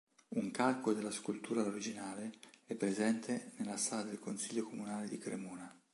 Un calco della scultura originale è presente nella sala del consiglio comunale di Cremona.